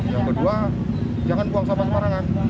yang kedua jangan buang sampah sampah rangan